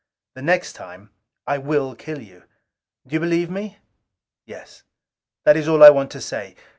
The next time, I will kill you. Do you believe me?" "Yes." "That is all I want to say.